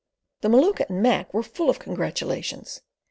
The Maluka and Mac were full of congratulations.